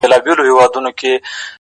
o رمې دي د هغه وې اې شپنې د فريادي وې،